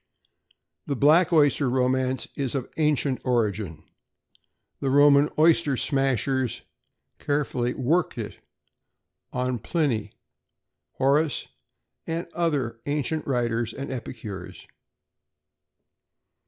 The black oyster romance is of ancient origin. The Roman oyster smashers successfully "worked it" on Pliny, Horace, and other ancient writers and epicures.